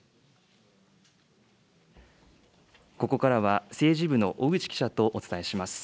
ここからは政治部の小口記者とお伝えします。